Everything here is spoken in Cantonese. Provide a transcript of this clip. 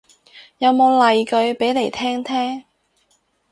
有冇例句俾嚟聽聽